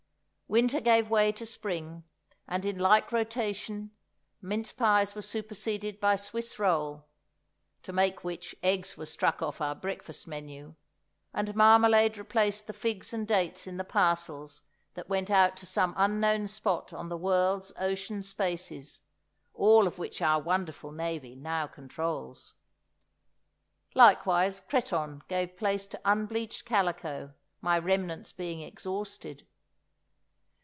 Winter gave way to spring, and in like rotation mince pies were superseded by Swiss roll (to make which eggs were struck off our breakfast menu), and marmalade replaced the figs and dates in the parcels that went out to some unknown spot on the world's ocean spaces, all of which our wonderful Navy now controls. Likewise, cretonne gave place to unbleached calico, my remnants being exhausted.